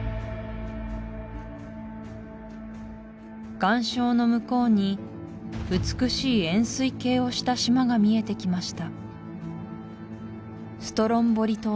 岩礁の向こうに美しい円すい形をした島が見えてきました